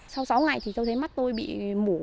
sau sáu ngày thì tôi thấy mắt tôi bị mổ